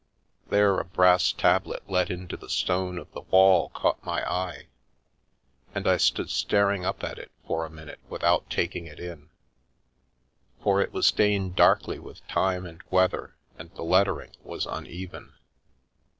There a brass tablet let into the stone of the wall caught my eye, and I stood staring up at it for a minute without taking it in, for it was stained darkly with time and weather and the lettering was un even.